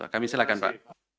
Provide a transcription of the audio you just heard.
kami silakan pak